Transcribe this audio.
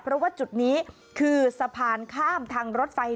เพราะว่าจุดนี้คือสะพานข้ามทางรถไฟ